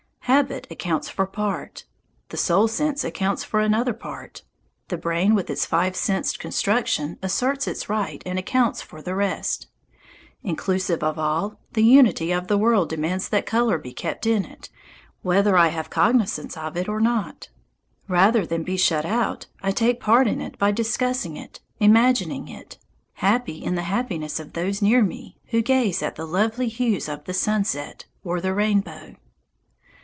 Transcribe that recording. Habit accounts for part. The soul sense accounts for another part. The brain with its five sensed construction asserts its right and accounts for the rest. Inclusive of all, the unity of the world demands that colour be kept in it, whether I have cognizance of it or not. Rather than be shut out, I take part in it by discussing it, imagining it, happy in the happiness of those near me who gaze at the lovely hues of the sunset or the rainbow.